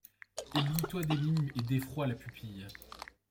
Éblouis-toi d’énigme et d’effroi la pupile ;